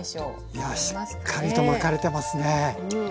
いやしっかりと巻かれてますね。